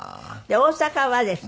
大阪はですね